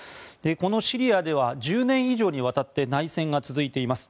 このシリアでは１０年以上にわたって内戦が続いています。